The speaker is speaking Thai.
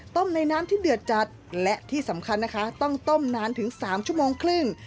ในน้ำที่เดือดจัดและที่สำคัญนะคะต้องต้มนานถึง๓ชั่วโมงครึ่ง